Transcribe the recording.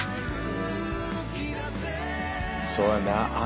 そうやな。